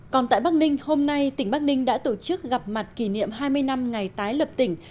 còn tại bắc ninh hôm nay tỉnh bắc ninh đã tổ chức gặp mặt kỷ niệm hai mươi năm ngày tái lập tỉnh